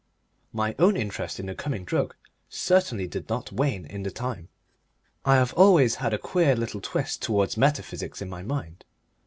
My own interest in the coming drug certainly did not wane in the time. I have always had a queer little twist towards metaphysics in my mind.